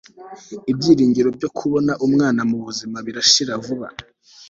ibyiringiro byo kubona umwana muzima birashira vuba